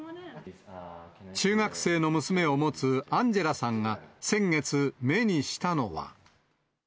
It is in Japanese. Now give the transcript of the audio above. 中学生の娘を持つアンジェラさんが先月、目にしたのは。